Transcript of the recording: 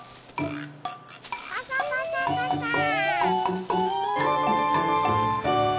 パサパサパサー。